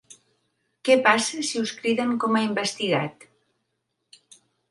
Què passa si us criden com a investigat?